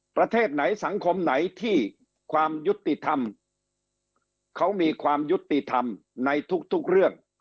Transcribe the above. ประเทศไหนสังคมไหนที่ความยุติธรรมเขามีความยุติธรรมในทุกเรื่อง